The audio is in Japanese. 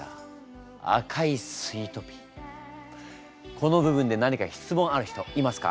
この部分で何か質問ある人いますか？